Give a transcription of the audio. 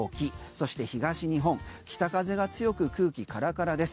そして、東日本北風が強く空気カラカラです。